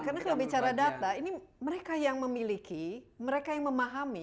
karena kalau bicara data ini mereka yang memiliki mereka yang memahami